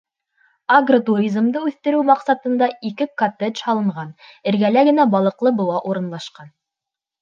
Агротуризмды үҫтереү маҡсатында ике коттедж һалынған, эргәлә генә балыҡлы быуа урынлашҡан.